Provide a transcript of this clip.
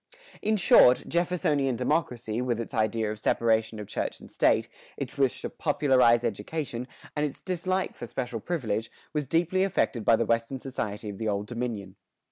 In short, Jeffersonian democracy, with its idea of separation of church and state, its wish to popularize education, and its dislike for special privilege, was deeply affected by the Western society of the Old Dominion.